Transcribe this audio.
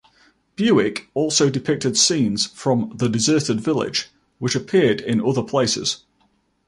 Bewick also depicted scenes from "The Deserted Village" which appeared in other places.